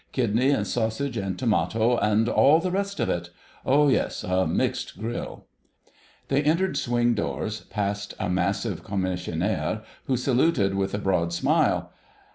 "Kidney and sausage and tomato and all the rest of it. Oh yes, a 'mixed grill.'" They entered swing doors, past a massive Commissionaire, who saluted with a broad smile.